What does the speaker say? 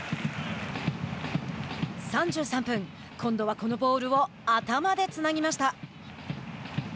３３分、今度はこのボールを頭でつなぎました。